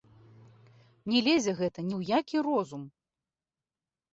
Не лезе гэта ні ў які розум!